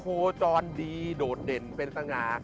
โคจรดีโดดเด่นเป็นสง่า